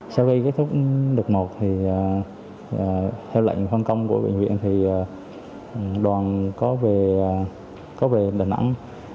sau khi kết thúc đợt một theo lệnh phân công của bệnh viện đoàn có về đà nẵng